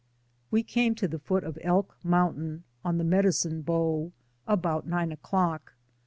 We came to the foot of Elk Mountain, on the Medicine Bow, about nine o'clock.